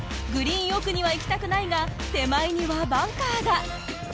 グリーン奥には行きたくないが手前にはバンカーが。